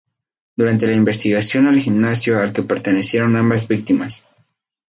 Durante la investigación al gimnasio al que pertenecieron ambas víctimas.